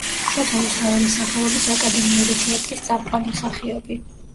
შოთა რუსთაველის სახელობის აკადემიური თეატრის წამყვანი მსახიობი.